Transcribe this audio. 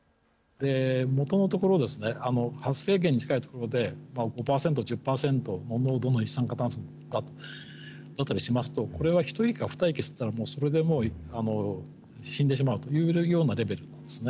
元のところ、発生源に近い所で、５％、１０％の濃度の一酸化炭素だったりしますと、これは１息か２息吸ったら、もうそれでもう、死んでしまうというようなレベルですね。